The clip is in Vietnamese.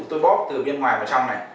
ví dụ tôi bóp từ bên ngoài vào trong này